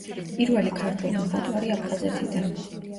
პირველი ქართველი მხატვარი აფხაზეთიდან.